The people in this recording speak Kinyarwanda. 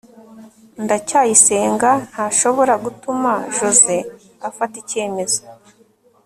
ndacyayisenga ntashobora gutuma joze afata icyemezo